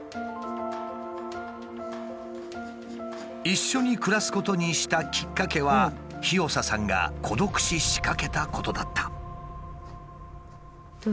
一緒に暮らすことにしたきっかけはひよささんが孤独死しかけたことだった。